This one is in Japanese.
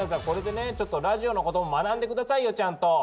これでねちょっとラジオのことも学んで下さいよちゃんと！